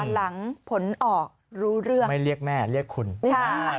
หลังผลออกรู้เรื่องไม่เรียกแม่เรียกคุณค่ะ